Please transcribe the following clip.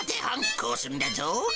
こうするんだぞ。